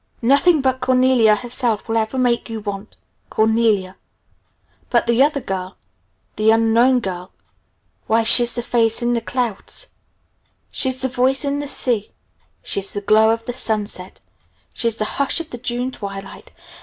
Nothing but Cornelia herself will ever make you want Cornelia. But the other girl, the unknown girl why she's the face in the clouds, she's the voice in the sea; she's the glow of the sunset; she's the hush of the June twilight!